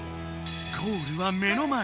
ゴールは目の前。